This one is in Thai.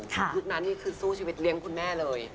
ยุคนั้นนี่คือสู้ชีวิตเลี้ยงคุณแม่เลย